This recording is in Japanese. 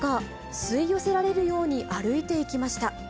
吸い寄せられるように歩いていきました。